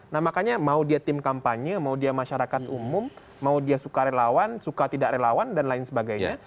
nah makanya mau dia tim kampanye mau dia masyarakat umum mau dia suka relawan suka tidak relawan dan lain sebagainya